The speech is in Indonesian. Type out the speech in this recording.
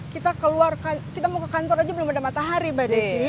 kita mau ke kantor aja belum ada matahari mbak desy